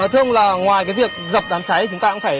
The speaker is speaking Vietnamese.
thưa ông là ngoài cái việc dập đám cháy